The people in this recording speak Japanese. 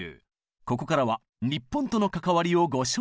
ここからは日本との関わりをご紹介。